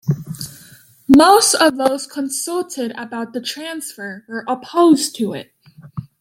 Most of those consulted about the transfer were opposed to it.